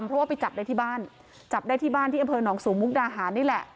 เพราะว่าไปจับได้ที่บ้านจับได้ที่บ้านที่อำเภอหนองสูงมุกดาหารนี่แหละ